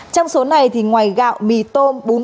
trong số này ngoài gạo mì tôm bún bánh